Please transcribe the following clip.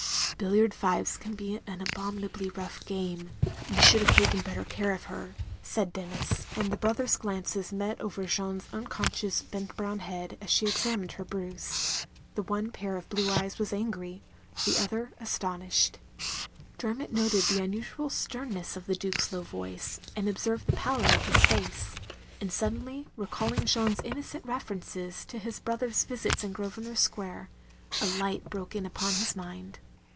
"Billiard fives can be an abominably rough game. You shotdd have taken better care of her," said Denis, and the brothers' glances met over Jeanne's unconscious bent brown head as she examined her bruise. The one pair of blue eyes was angry; the other astonished. 28o THE LONELY LADY Dermot noted the tmustial sternness of the Duke's low voice, and observed the pallor of his face; and suddenly recalling Jeanne's innocent references to his brother's visits in Grosvenor Square — a, light broke in upon his mind.